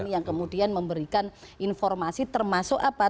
yang kemudian memberikan informasi termasuk apa